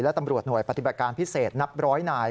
และตำรวจหน่วยปฏิบัติการพิเศษนับร้อยนาย